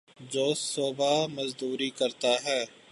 جو صبح مزدوری کرتا ہے